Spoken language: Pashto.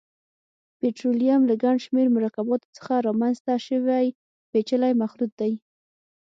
پټرولیم له ګڼشمېر مرکباتو څخه رامنځته شوی پېچلی مخلوط دی.